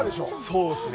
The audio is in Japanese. そうですね。